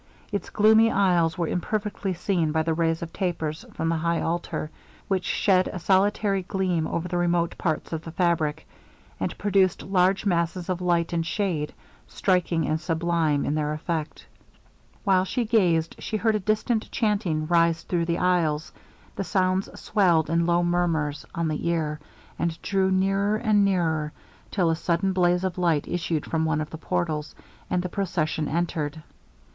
Its gloomy aisles were imperfectly seen by the rays of tapers from the high altar, which shed a solitary gleam over the remote parts of the fabric, and produced large masses of light and shade, striking and sublime in their effect. While she gazed, she heard a distant chanting rise through the aisles; the sounds swelled in low murmurs on the ear, and drew nearer and nearer, till a sudden blaze of light issued from one of the portals, and the procession entered.